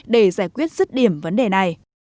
để giải quyết dứt điểm vấn đề này